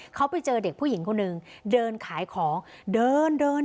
เขาไปเจอเด็กผู้หญิงคนหนึ่งเดินขายของเดินเดิน